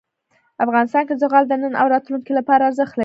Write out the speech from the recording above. افغانستان کې زغال د نن او راتلونکي لپاره ارزښت لري.